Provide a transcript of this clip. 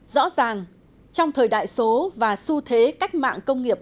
rõ ràng trong thời đại số và xu thế cách mạng công nghiệp bốn